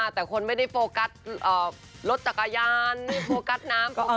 แต่คนไม่ได้โฟกัสรถจักรยานโฟกัสน้ำ